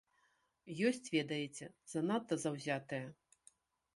Ёсць, ведаеце, занадта заўзятыя.